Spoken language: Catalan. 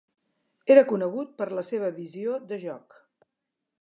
Era conegut per la seva visió de joc.